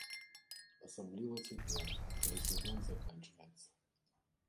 Асабліва цяпер, калі сезон заканчваецца.